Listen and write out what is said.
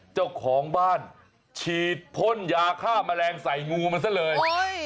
เจ้าของบ้านฉีดพ่นยาฆ่าแมลงใส่งูมันซะเลย